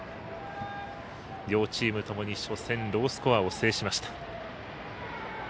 両チームともに初戦ロースコアを制しました。